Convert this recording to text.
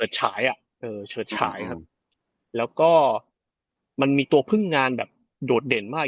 เชิดฉายแล้วก็มันมีตัวพึ่งงานแบบโดดเด่นมาก